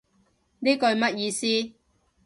呢句乜意思